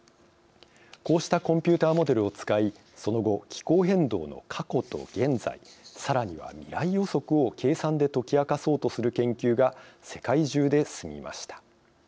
こうしたコンピューターモデルを使いその後気候変動の過去と現在さらには未来予測を計算で解き明かそうとする研究が世界中で進みました。